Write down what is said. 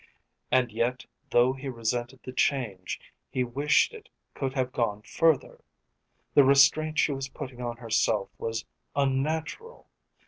And yet though he resented the change he wished it could have gone further. The restraint she was putting on herself was unnatural.